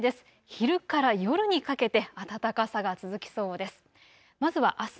昼から夜にかけて暖かさが続きそうです。